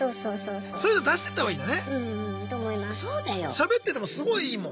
しゃべっててもすごいいいもん